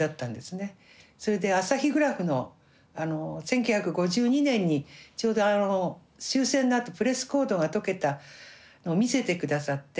それで「アサヒグラフ」の１９５２年にちょうど終戦のあとプレスコードが解けたのを見せてくださって。